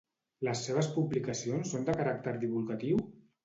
Les seves publicacions són de caràcter divulgatiu?